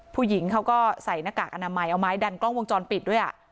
ผู้หญิงเขาก็ใส่หน้ากากอนามัยเอาไม้ดันกล้องวงจรปิดด้วย